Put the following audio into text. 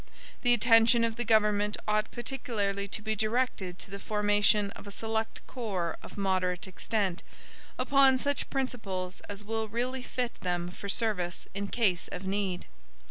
The attention of the government ought particularly to be directed to the formation of a select corps of moderate extent, upon such principles as will really fit them for service in case of need.